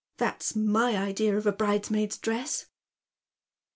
That's my idea of a bridesmaid's dress."